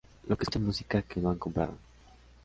los que escuchan música que no han comprado